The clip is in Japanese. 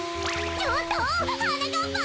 ちょっとはなかっぱん！